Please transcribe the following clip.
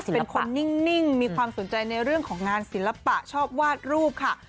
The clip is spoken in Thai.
เป็นคนนิ่งมีความสนใจในเรื่องของงานศิลปะชอบวาดรูปค่ะ